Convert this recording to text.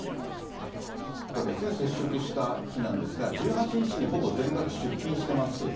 ここですね、接触した日なんですが、１８にちにほぼ全額出金してます。